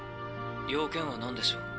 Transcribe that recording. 用件は何でしょう？